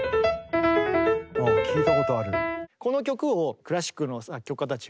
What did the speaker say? あ聴いたことある。